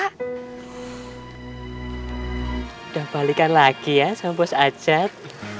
sudah balikan lagi ya kampus ajat